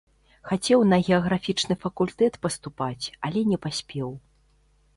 Хацеў на геаграфічны факультэт паступаць, але не паспеў.